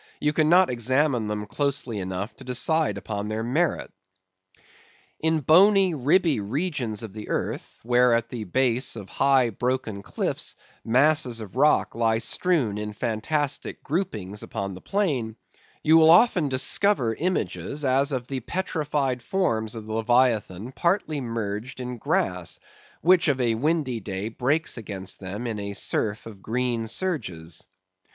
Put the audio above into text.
_" you cannot examine them closely enough to decide upon their merit. In bony, ribby regions of the earth, where at the base of high broken cliffs masses of rock lie strewn in fantastic groupings upon the plain, you will often discover images as of the petrified forms of the Leviathan partly merged in grass, which of a windy day breaks against them in a surf of green surges.